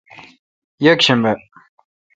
یکشنبہ